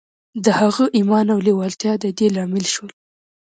د هغه ايمان او لېوالتیا د دې لامل شول.